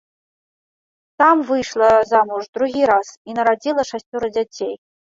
Там выйшла замуж другі раз і нарадзіла шасцёра дзяцей.